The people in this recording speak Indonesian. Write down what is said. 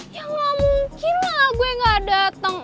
ya gak mungkin lah gue gak datang